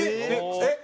えっ？